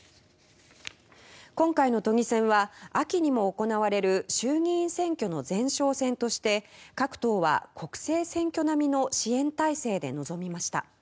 今回の都議選は秋にも行われる衆議院選挙の前哨戦として各党は国政選挙並みの支援態勢で臨みました。